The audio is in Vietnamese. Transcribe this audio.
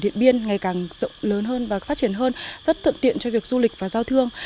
điện biên ngày càng lớn hơn và phát triển hơn rất thuận tiện cho việc du lịch và giao thương